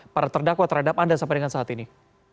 para terdakwa terhadap anda sampai dengan saat ini